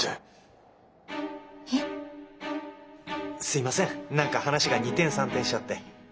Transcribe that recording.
すいません何か話が二転三転しちゃって。